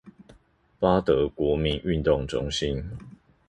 八德國民運動中心